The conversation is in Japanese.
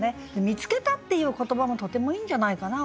「見つけた」っていう言葉もとてもいいんじゃないかな。